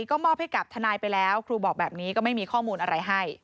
ก็มอบให้กับทนายไปแล้วครูบอกแบบนี้ก็ไม่มีข้อมูลอะไรให้